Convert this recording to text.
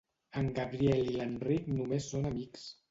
En Gabriel i l'Enric només són amics.